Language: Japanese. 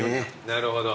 なるほど。